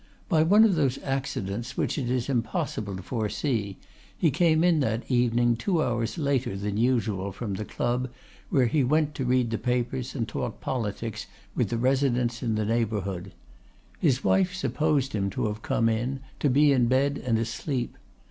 By one of those accidents which it is impossible to foresee, he came in that evening two hours later than usual from the club, where he went to read the papers and talk politics with the residents in the neighborhood. His wife supposed him to have come in, to be in bed and asleep.